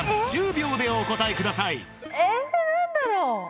ええっえ何だろう？